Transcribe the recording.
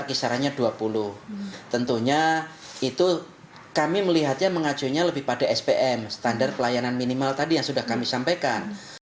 ini melihatnya mengajunya lebih pada spm standar pelayanan minimal tadi yang sudah kami sampaikan